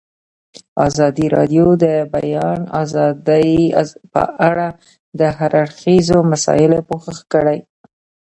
ازادي راډیو د د بیان آزادي په اړه د هر اړخیزو مسایلو پوښښ کړی.